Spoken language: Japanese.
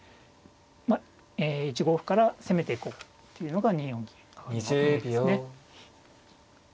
１五歩から攻めていこうっていうのが２四銀からの意味ですね。